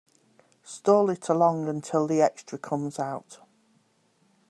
Stall it along until the extra comes out.